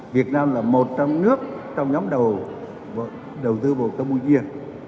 việt nam là một trong nước trong nhóm đầu tư vào campuchia